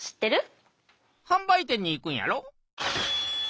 はん売店に行くんやろ？